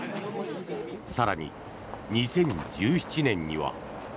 更に、２０１７年には。